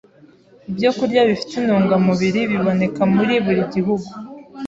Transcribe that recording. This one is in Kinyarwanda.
Ibyokurya Bifite Intungamubiri Biboneka muri Buri Gihugu